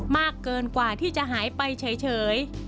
มากเกินกว่าที่จะหายไปเฉย